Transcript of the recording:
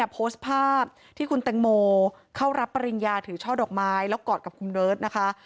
โพสต์ภาพที่คุณแตงโมเข้ารับปริญญาถือช่อดอกไม้แล้วกอดกับคุณเบิร์ตนะคะ